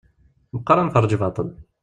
Meqqar ad nferreǧ baṭṭel.